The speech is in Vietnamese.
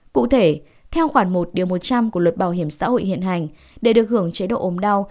cụ thể theo khoản một điều một trăm linh của luật bảo hiểm xã hội hiện hành để được hưởng chế độ ồm đau